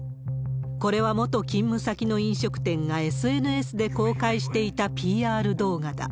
これは元勤務先の飲食店がＳＮＳで公開していたＰＲ動画だ。